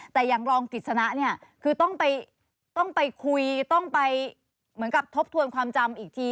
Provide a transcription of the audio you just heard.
แต่อย่างรองกิจสนะเนี่ยคือต้องไปคุยต้องไปเหมือนกับทบทวนความจำอีกที